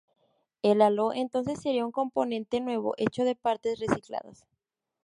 El halo entonces sería un componente "nuevo" hecho de partes "recicladas".